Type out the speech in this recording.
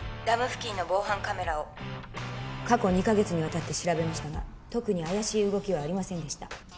ダム付近の防犯カメラを過去２カ月にわたって調べましたが特に怪しい動きはありませんでした